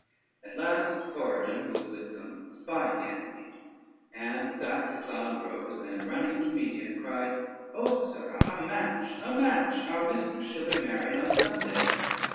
At last Corydon, who was with them, spied Ganymede, and with that the clown rose, and, running to meet him, cried: "O sirrah, a match, a match! our mistress shall be married on Sunday."